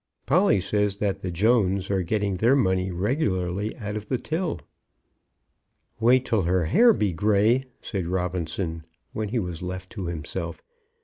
Polly says that the Jones's are getting their money regularly out of the till." "Wait till her hair be grey!" said Robinson, when he was left to himself.